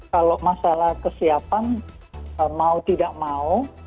kalau masalah kesiapan mau tidak mau